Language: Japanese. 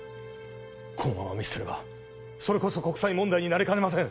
このまま見捨てればそれこそ国際問題になりかねません